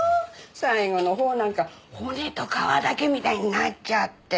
最後のほうなんか骨と皮だけみたいになっちゃって。